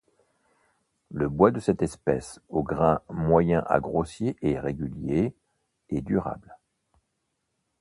Le bois de cette espèce, au grain moyen à grossier et régulier, est durable.